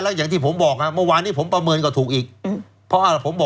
ตอนหลังกลายเป็น๑๕แล้วครับ